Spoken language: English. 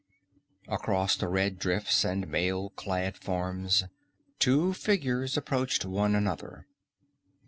Across the red drifts and mail clad forms, two figures approached one another.